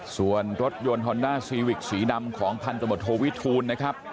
ส่วนรถยนต์ฮอร์น่าซีวิคสีนำของพันธุ์ตำรวจโทวิทูลนะครับ